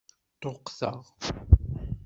Ṭṭuqteɣ.